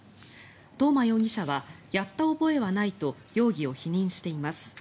東間容疑者はやった覚えはないと容疑を否認しています。